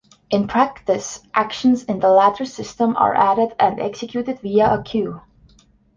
In practice, actions in the latter system are added and executed via a queue.